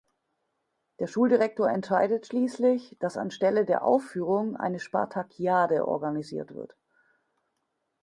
Der Schuldirektor entscheidet schließlich, dass an Stelle der Aufführung eine Spartakiade organisiert wird.